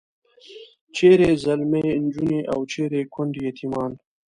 چیرې ځلمي نجونې او چیرې کونډې یتیمان.